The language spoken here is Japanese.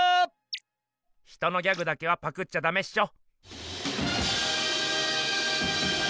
ヒトのギャグだけはパクっちゃダメっしょ。